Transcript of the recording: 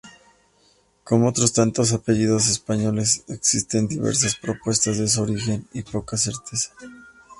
Como otros tantos apellidos españoles existen diversas propuestas de su origen, y poca certeza.